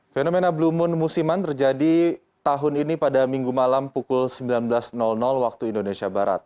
fenomena blue moon musiman terjadi tahun ini pada minggu malam pukul sembilan belas waktu indonesia barat